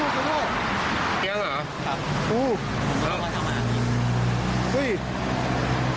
ครับ